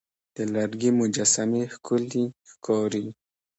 د لرګي مجسمې ښکلي ښکاري.